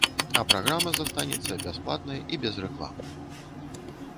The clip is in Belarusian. А праграма застанецца бясплатнай і без рэкламы.